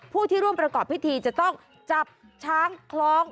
ผู้ที่ร่วมประกอบพิธีจะต้องจับช้างคล้อง